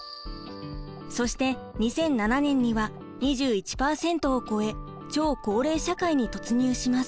そして２００７年には２１％を超え超高齢社会に突入します。